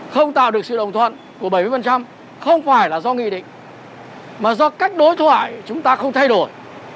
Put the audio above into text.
không tạo được sự đồng thuận của bảy mươi không phải là do nghị định mà do cách đối thoại chúng ta không thay đổi